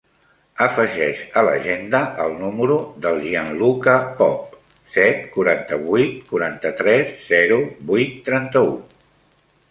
Afegeix a l'agenda el número del Gianluca Pop: set, quaranta-vuit, quaranta-tres, zero, vuit, trenta-u.